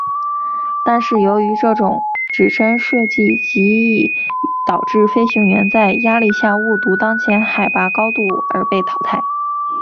但是由于这种指针设计极易导致飞行员在压力下误读当前海拔高度而被淘汰。